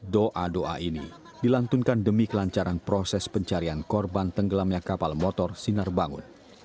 doa doa ini dilantunkan demi kelancaran proses pencarian korban tenggelamnya kapal motor sinar bangun